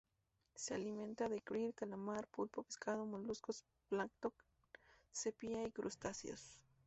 Se alimentan de kril, calamar, pulpo, pescado, moluscos, plancton, sepia y crustáceos.